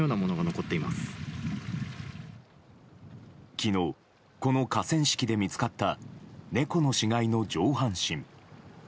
昨日、この河川敷で見つかった猫の死骸の上半身。